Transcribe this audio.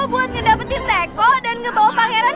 buat mendapetin teko dan membawa pangeran